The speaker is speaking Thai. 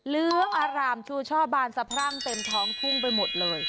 เหลืองอารามชูช่อบานสะพรั่งเต็มท้องทุ่งไปหมดเลย